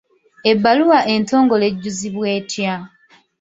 Ebbaluwa entongole ejjuzibwa etya?